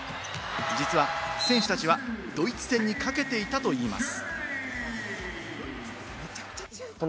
実は選手たちはドイツ戦にかけていたといいます。